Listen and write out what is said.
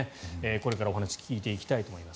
これからお話を聞いていきたいと思います。